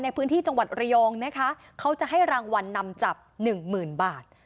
ในพื้นที่จังหวัดระยองนะคะเขาจะให้รางวัลนำจับหนึ่งหมื่นบาท